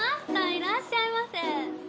いらっしゃいませ。